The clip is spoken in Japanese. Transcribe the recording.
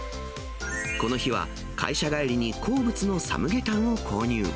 この日は、会社帰りに好物のサムゲタンを購入。